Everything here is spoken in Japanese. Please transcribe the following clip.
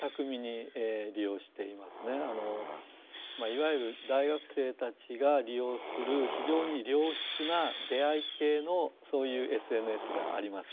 いわゆる大学生たちが利用する非常に良質な出会い系のそういうＳＮＳがあります。